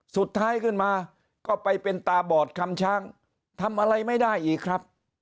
สุดท้ายขึ้นมาก็ไปเป็นตาบอดคำช้างทำอะไรไม่ได้อีกครับ